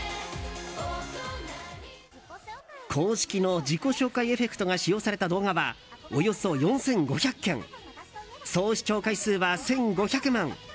公式の自己紹介エフェクトが使用された動画はおよそ４５００件総視聴回数は１５００万。